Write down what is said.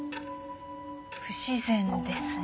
不自然ですね。